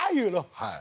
はい。